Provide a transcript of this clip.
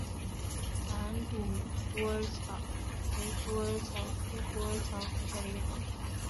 繁缕虎耳草为虎耳草科虎耳草属下的一个种。